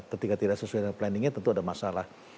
ketika tidak sesuai dengan planningnya tentu ada masalah